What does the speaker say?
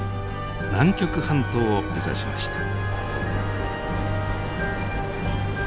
南極半島を目指しました。